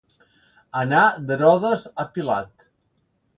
Anar d'Herodes a Pilat.